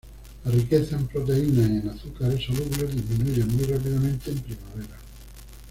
La riqueza en proteínas y en azúcares solubles disminuye muy rápidamente en primavera.